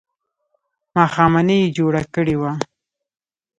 ماښامنۍ یې جوړه کړې وه.